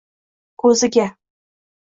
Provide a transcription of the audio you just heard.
ko’ziga.